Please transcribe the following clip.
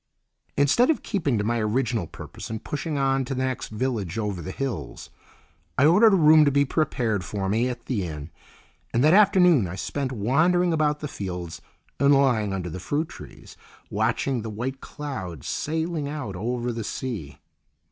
Instead of keeping to my original purpose and pushing on to the next village over the hills, I ordered a room to be prepared for me at the inn, and that afternoon I spent wandering about the fields and lying under the fruit trees, watching the white clouds sailing out over the sea.